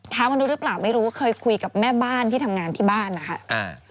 มนุษย์หรือเปล่าไม่รู้เคยคุยกับแม่บ้านที่ทำงานที่บ้านนะคะอ่า